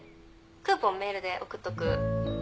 クーポンメールで送っとく。